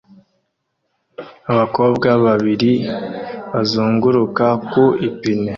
Abakobwa babiri bazunguruka ku ipine